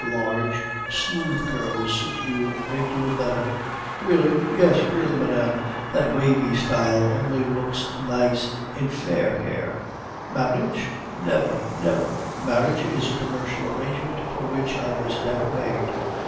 Large, smooth curls suit you a great deal better.' "'Really?' "'Yes, really, madame; that wavy style only looks nice in fair hair.' "'Marriage? never, never! Marriage is a commercial arrangement, for which I was never made.